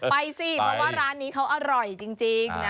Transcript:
ไปสิเพราะว่าร้านนี้เขาอร่อยจริงนะ